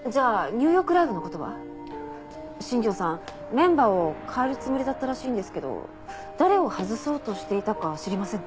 メンバーを代えるつもりだったらしいんですけど誰を外そうとしていたか知りませんか？